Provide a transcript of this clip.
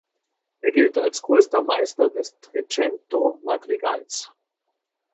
Er gilt als größter Meister des Trecento-Madrigals.